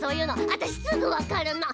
あたしすぐ分かるの。